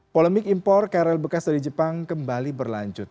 polemik impor krl bekas dari jepang kembali berlanjut